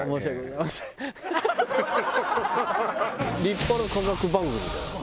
立派な科学番組だよ。